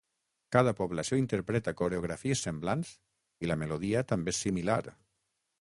Cada població interpreta coreografies semblants i la melodia també és similar.